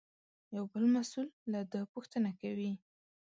یو بل مسوول له ده پوښتنه کوي.